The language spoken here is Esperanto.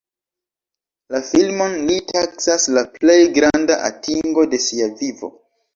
La filmon li taksas la plej granda atingo de sia vivo.